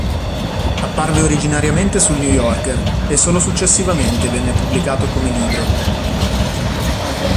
Apparve originariamente sul New Yorker e solo successivamente venne pubblicato come libro.